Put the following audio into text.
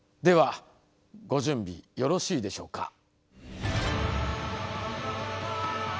ではご準備よろしいでしょうか。